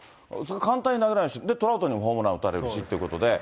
簡単に投げられないし、トラウトにもホームラン打たれるしっていうことで。